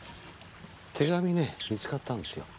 手紙ね見つかったんですよ。